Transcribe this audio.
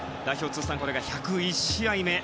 通算１０１試合目。